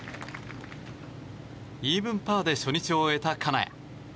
イーブンパーで初日を終えた金谷。